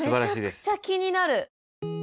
めちゃくちゃ気になる。